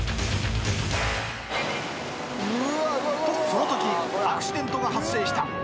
［とそのときアクシデントが発生した］